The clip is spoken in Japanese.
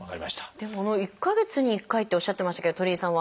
でも１か月に１回っておっしゃってましたけど鳥居さんは。